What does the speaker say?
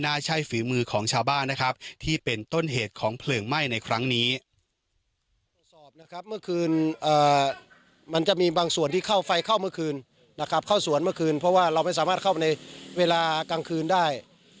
ใช่ฝีมือของชาวบ้านนะครับที่เป็นต้นเหตุของเพลิงไหม้ในครั้งนี้